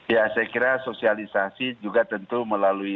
ya saya kira sosialisasi juga tentu melalui